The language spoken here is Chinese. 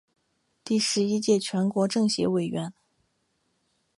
第十一届全国政协委员。